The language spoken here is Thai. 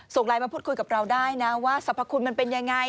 ไลน์มาพูดคุยกับเราได้นะว่าสรรพคุณมันเป็นยังไง